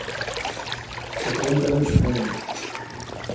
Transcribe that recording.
E corenta noites tamén.